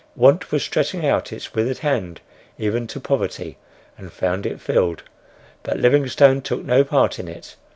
Want was stretching out its withered hand even to Poverty and found it filled. But Livingstone took no part in it.